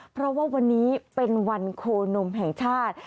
เพราะว่าวันนี้เป็นวันโคนมแห่งชาติ